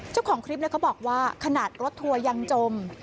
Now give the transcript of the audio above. เจ้าของคลิปเขาบอกว่าขนาดรถทัวร์ยังจม